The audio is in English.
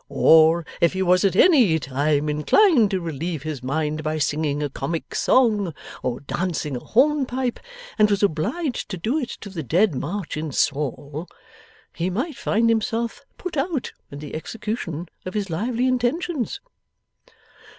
Or, if he was at any time inclined to relieve his mind by singing a comic song or dancing a hornpipe, and was obliged to do it to the Dead March in Saul, he might find himself put out in the execution of his lively intentions.